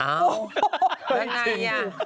อ้าวแล้วไงอ่ะ